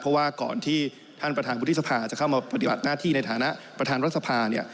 เพราะว่าก่อนที่ท่านประธานวุฒิสภาจะเข้ามาปฏิบัติหน้าที่ในฐานะประธานรัฐสภาเนี่ย